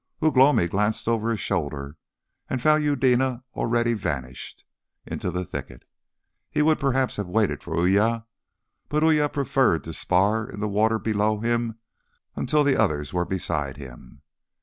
Ugh lomi glanced over his shoulder and found Eudena already vanished into the thicket. He would perhaps have waited for Uya, but Uya preferred to spar in the water below him until the others were beside him.